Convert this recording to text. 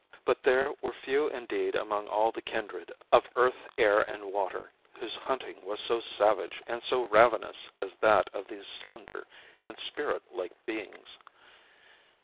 But there were few indeed among all the kindred of earth, air, and water whose hunting was so savage and so ravenous as that of these slender and spiritlike beings.